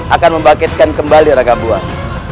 akan membangkitkan kembali ranggabuan